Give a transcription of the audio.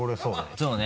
そうね。